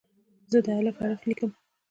زه د "الف" حرف لیکم.